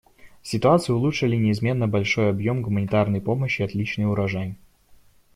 Ситуацию улучшили неизменно большой объем гуманитарной помощи и отличный урожай.